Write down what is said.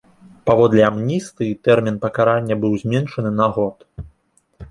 Паводле амністыі тэрмін пакарання быў зменшаны на год.